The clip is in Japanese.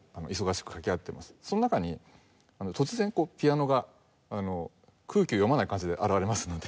その中に突然ピアノが空気を読まない感じで現れますので。